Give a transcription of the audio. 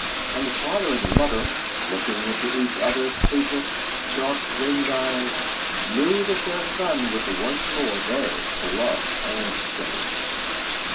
And the father and the mother, looking into each other's sleepless, dark ringed eyes, knew that their son was once more theirs to love and cherish.